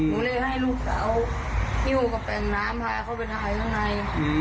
ผมเล็กให้ลูกถาวแบกหน้ามาเกาะไปท้ายข้างใน